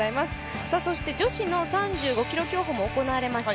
そして女子の３５ｋｍ競歩も行われました。